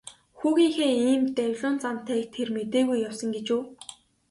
Хүүгийнхээ ийм давилуун зантайг тэр мэдээгүй явсан гэж үү.